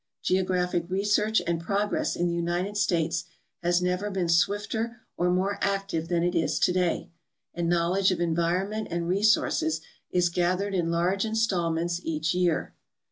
Geo graphic research and progress in the United States has never been swifter or more active than it is today, and knowledge of environment and resources is gathered in large installments each year.